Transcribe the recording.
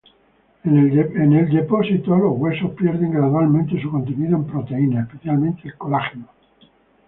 En el depósito, los huesos pierden gradualmente su contenido en proteínas, especialmente el colágeno.